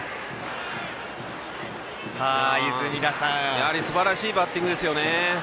やはり、すばらしいバッティングですよね。